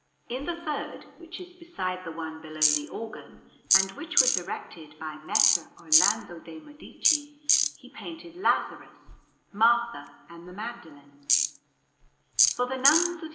In the third, which is beside the one below the organ, and which was erected by Messer Orlando de' Medici, he painted Lazarus, Martha, and the Magdalene. For the Nuns of S.